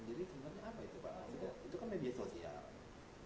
jadi sebenarnya apa itu pak itu kan media sosial